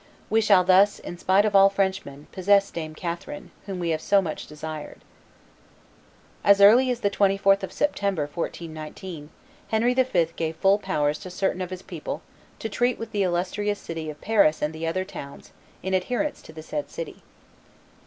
We shall thus, in spite of all Frenchmen, possess Dame Catherine, whom we have so much desired." As early as the 24th of September, 1419, Henry V. gave full powers to certain of his people to treat "with the illustrious city of Paris and the other towns in adherence to the said city."